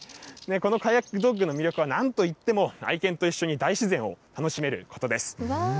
このカヤックドッグの魅力は、なんといっても、愛犬と一緒に大自然を楽しめることです。